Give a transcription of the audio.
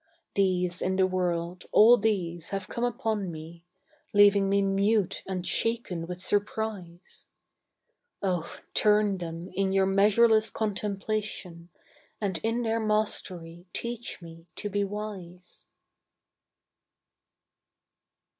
These in the world, all these, have come upon me, Leaving me mute and shaken with surprise. Oh, turn them in your measureless contemplation, And in their mastery teach me to be wise.